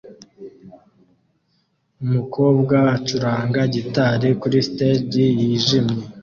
Umukobwa acuranga gitari kuri stage yijimye